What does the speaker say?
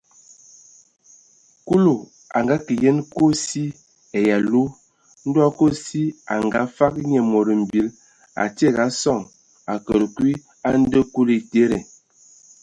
Kulu a ngakǝ yen kosi ai alu, ndɔ kosi a ngafag nye mod mbil a tiege a sɔŋ a kələg kwi a ndɛ Kulu a etede.